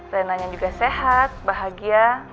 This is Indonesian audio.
renanya juga sehat bahagia